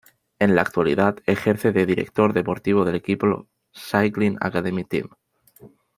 En la actualidad ejerce de director deportivo del equipo Cycling Academy Team.